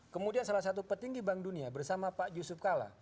kemudian salah satu petinggi bank dunia bersama pak yusuf kala